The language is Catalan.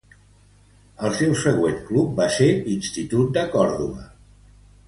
El seu següent club va ser Institut de Córdoba.